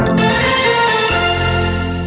สวัสดีครับ